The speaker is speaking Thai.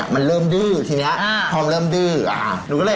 มันเริ่มดื้อทีนี้พอมันเริ่มดื้อหนูก็เลย